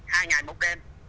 hai ngày một đêm